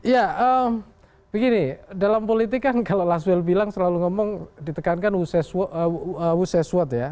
ya begini dalam politik kan kalau laswel bilang selalu ngomong ditekankan wus is what ya